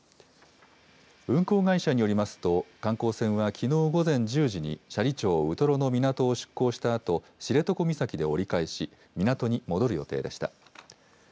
運航会社によりますと、観光船はきのう午前１０時に斜里町ウトロの港を出港したあと、知床岬で折り返し、港に戻る予定でした。